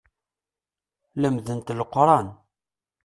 Lemdent Leqran.